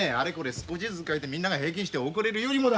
少しずつ描いてみんなが平均して遅れるよりもだ